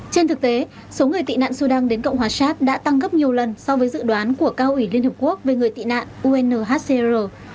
trên thực tế số người tị nạn sudan đến cộng hòa sát đã tăng gấp nhiều lần so với dự đoán của cao ủy liên hợp quốc về người tị nạn unhcr